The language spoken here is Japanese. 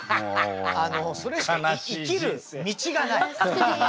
あのそれしか生きる道がない。